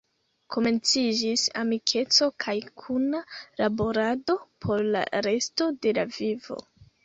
Komenciĝis amikeco kaj kuna laborado por la resto de la vivo.